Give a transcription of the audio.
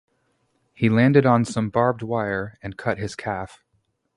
He landed on some barbed wire and cut his calf.